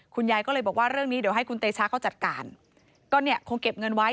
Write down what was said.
คุณยายก็เลยบอกว่าเรื่องนี้เดี๋ยวให้คุณเตชาเขาจัดการก็เนี่ยคงเก็บเงินไว้